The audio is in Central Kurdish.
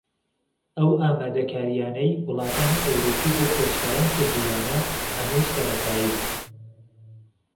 ئەو ئامادەکارییانەی وڵاتانی ئەوروپی بۆ کۆچبەران کردوویانە هەمووی سەرەتایین